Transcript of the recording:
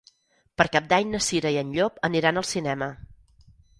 Per Cap d'Any na Cira i en Llop aniran al cinema.